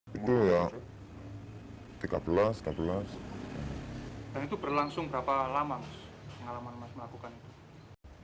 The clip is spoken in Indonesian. dan itu berlangsung berapa lama alaman alaman melakukan itu